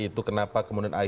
itu kenapa kemudian menangkan